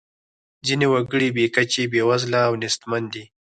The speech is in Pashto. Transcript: ځینې وګړي بې کچې بیوزله او نیستمن دي.